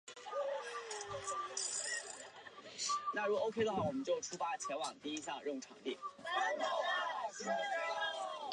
博雷埃。